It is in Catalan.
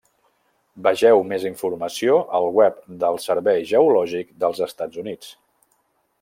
Vegeu més informació al web del Servei Geològic dels Estats Units.